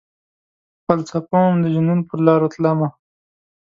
فلسفه وم ،دجنون پرلاروتلمه